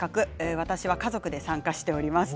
私は家族で参加しております。